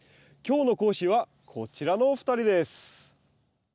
今日の講師はこちらのお二人です。